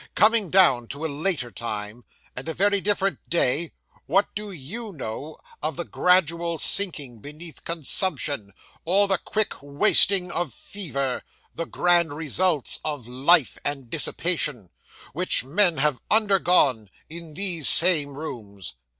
Coming down to a later time, and a very different day, what do you know of the gradual sinking beneath consumption, or the quick wasting of fever the grand results of "life" and dissipation which men have undergone in these same rooms?